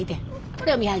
これお土産。